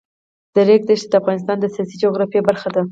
د ریګ دښتې د افغانستان د سیاسي جغرافیه برخه ده.